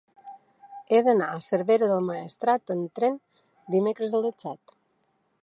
He d'anar a Cervera del Maestrat amb tren dimecres a les set.